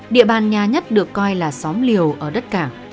địa bàn nhà nhất được coi là xóm liều ở đất cảng